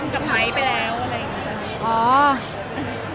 ดับจิ้นกับไม้ไปแล้วอะไรอย่างนี้